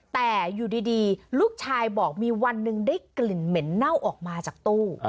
แต่อยู่ดีลูกชายบอกมีวันหนึ่งได้กลิ่นเหม็นเน่าออกมาจากตู้